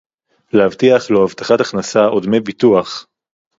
להבטיח לו הבטחת הכנסה או דמי ביטוח